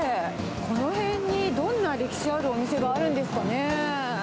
この辺にどんな歴史あるお店があるんですかね。